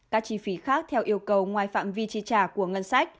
các chi phí khác theo yêu cầu ngoài phạm vi chi trả của ngân sách